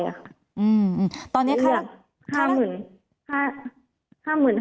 อืมตอนนี้ค่ะ